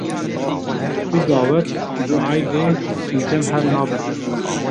Du dawet du eydê li cem hev nabin.